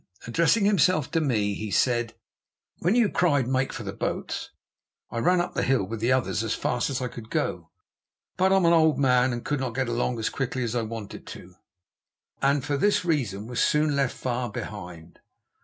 Addressing himself to me he said: "When you cried 'Make for the boats,' I ran up the hill with the others as fast as I could go; but I'm an old man and could not get along as quickly as I wanted to, and for this reason was soon left far behind.